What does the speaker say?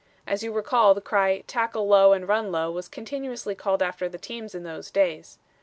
As you recall, the cry, 'Tackle low and run low,' was continuously called after the teams in those days.